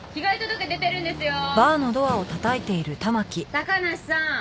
高梨さん